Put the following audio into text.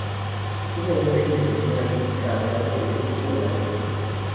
Hubo una intervención artística a cargo del grupo "La Grupa".